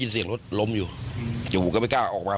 เสียงรถล้มอยู่อยู่ผมก็ไม่กล้าออกมา